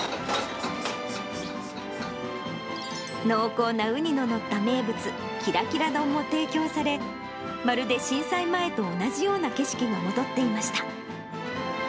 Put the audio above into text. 濃厚なウニの載った名物、キラキラ丼も提供され、まるで震災前と同じような景色が戻っていました。